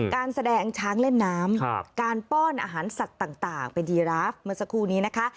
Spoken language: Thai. การแสดงช้างเล่นน้ำการป้อนอาหารสัตว์ต่างเป็นยีราฟเมื่อสักครู่นี้นะคะ